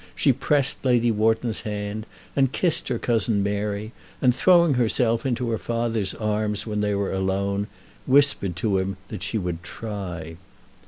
She pressed Lady Wharton's hand, and kissed her cousin Mary, and throwing herself into her father's arms when they were alone, whispered to him that she would try.